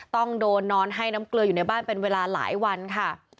ต้องโดนนอนให้น้ำเกลืออยู่ในบ้านเป็นเวลาหลายวันค่ะ